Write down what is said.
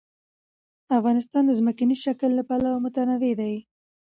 افغانستان د ځمکنی شکل له پلوه متنوع دی.